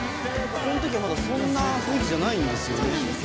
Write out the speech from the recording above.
この時はまだそんな雰囲気じゃないんですよね。